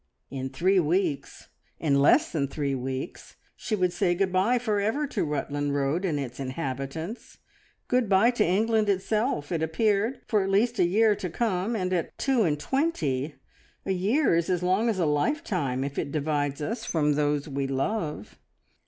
In three weeks, in less than three weeks, she would say good bye for ever to Rutland Road and its inhabitants; good bye to England itself, it appeared, for at least a year to come, and at two and twenty a year is as long as a lifetime, if it divides us from those we love.